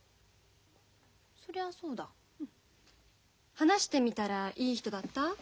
話してみたらいい人だった？